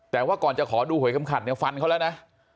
แต่ว่าก่อนจะขอดูหวยคำขัดเนี่ยฟันเขาแล้วนะ